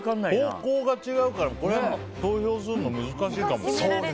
方向が違うからこれ投票するの難しいかも。